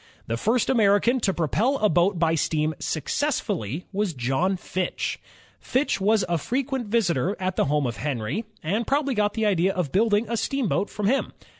The first American to propel a boat by steam success fully was John Fitch, Fitch was a frequent visitor at the home of Henry, and probably got the idea of building a steamboat from him.